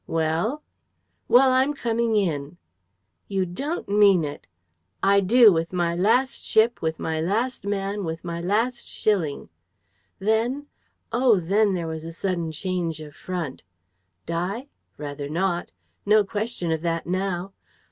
'Well?' 'Well, I'm coming in.' 'You don't mean it?' 'I do with my last ship, with my last man, with my last shilling.' Then ... oh, then there was a sudden change of front! Die? Rather not! No question of that now!